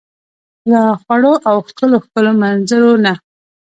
له خوړو او ښکلو ، ښکلو منظرو نه